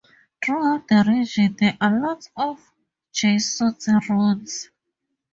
Throughout the region there are lots of Jesuit ruins.